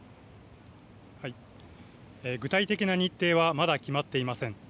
具体的な日程はまだ決まっていません。